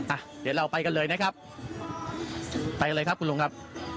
อ่ะเดี๋ยวเราไปกันเลยนะครับไปกันเลยครับคุณลุงครับ